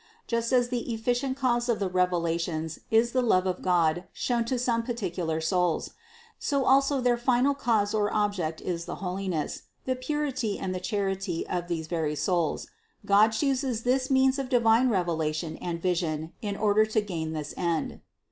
Just as the efficient cause of the revela tions is the love of God shown to some particular souls, so also their final cause or object is the holiness, the purity and the charity of these very souls; God chooses this means of divine revelation and vision in order to gain this end.